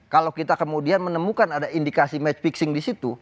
kalau kita kemudian menemukan ada indikasi match fixing di situ